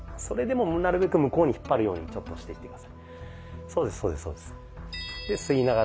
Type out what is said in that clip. それでもなるべく向こうに引っ張るようにしていって下さい。